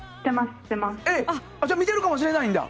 じゃあ見てるかもしれないんだ。